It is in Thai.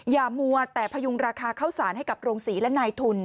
มัวแต่พยุงราคาข้าวสารให้กับโรงศรีและนายทุน